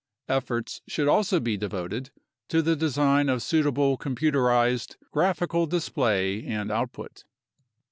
Efforts should also be devoted to the design of suitable computerized graphical display and output.